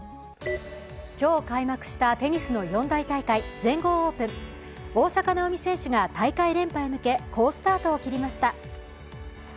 今日開幕したテニスの四大大会、全豪オープン、大坂なおみ選手が大会連覇へ向け好スタートを切りました。